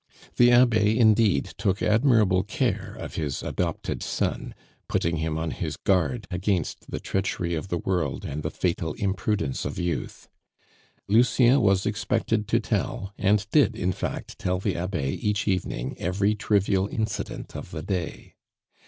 The Abbe, indeed, took admirable care of his adopted son, putting him on his guard against the treachery of the world and the fatal imprudence of youth. Lucien was expected to tell, and did in fact tell the Abbe each evening, every trivial incident of the day.